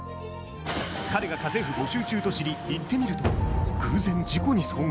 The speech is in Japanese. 彼が家政婦募集中と知り行ってみると偶然、事故に遭遇。